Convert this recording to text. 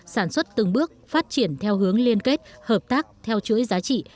sản xuất từng bước phát triển theo hướng liên kết hợp tác theo chuỗi giá trị